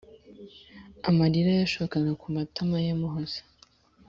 amarira yashokaga ku matamaye amuhoza